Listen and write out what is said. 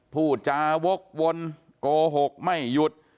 พูดจาวกวนโกหกไม่หยุด